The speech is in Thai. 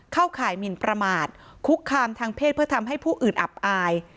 ข่ายหมินประมาทคุกคามทางเพศเพื่อทำให้ผู้อื่นอับอาย